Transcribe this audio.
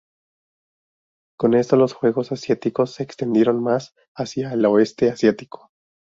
Con esto los Juegos Asiáticos se extendieron más hacia el oeste asiático.